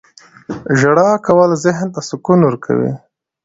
• ژړا کول ذهن ته سکون ورکوي.